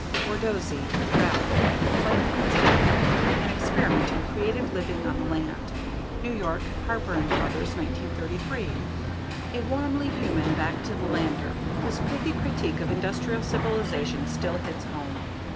Borsodi, Ralph. Flight from the City: An Experiment in Creative Living on the Land. New York: Harper and Brothers, 1933. A warmly human back to the lander whose pithy critique of industrial civilization still hits home.